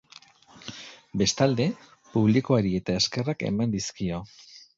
Bestalde, publikoari ere eskerrak eman dizkio.